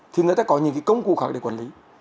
thì người ta có những công cụ khác để quản lý